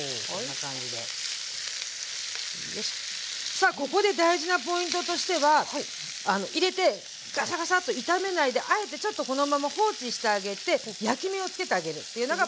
さあここで大事なポイントとしては入れてガシャガシャッと炒めないであえてちょっとこのまま放置してあげて焼き目をつけてあげるっていうのがポイントです。